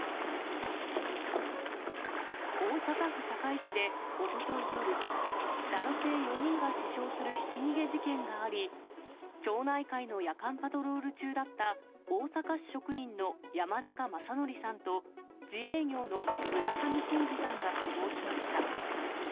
大阪府堺市でおととい夜、男性４人が死傷するひき逃げ事件があり、町内会の夜間パトロール中だった大阪市職員の山中正規さんと自営業の村上伸治さんが死亡しました。